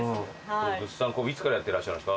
ぐっさん工房いつからやってらっしゃるんですか？